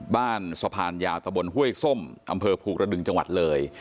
บ้านสะพานยาวตะบลฮวยส้มอภูกระดึงจังหวัดเหลย